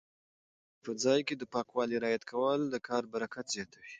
د کار په ځای کې د پاکوالي رعایت کول د کار برکت زیاتوي.